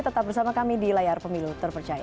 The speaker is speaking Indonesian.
tetap bersama kami di layar pemilu terpercaya